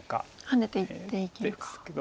ハネていって生きるか。